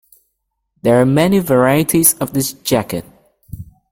There are many varieties of this jacket.